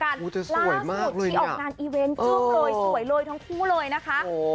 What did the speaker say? ล่าสุดที่ออกงานอีเวนต์จึ้งเลยสวยเลยทั้งคู่เลยนะคะ